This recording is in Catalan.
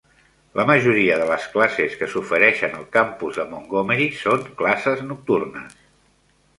La majoria de les classes que s'ofereixen al campus de Montgomery són classes nocturnes.